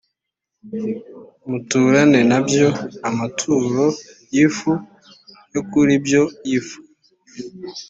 muturane na byo amaturo y ifu yo kuri byo y ifu